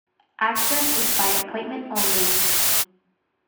Access is by appointment only.